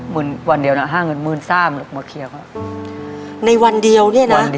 วันเดียวน่ะห้าเงินหมื่นสามมาเคลียร์เขาในวันเดียวเนี่ยนะ